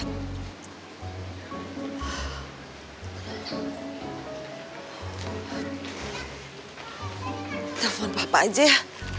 telepon papa aja ya